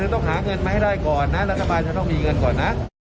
ต้องหาเงินมาให้ได้ก่อนนะรัฐบาลจะต้องมีเงินก่อนนะ